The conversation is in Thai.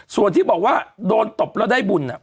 ส่วนที่บอกว่าโดนตบแล้วได้บุญ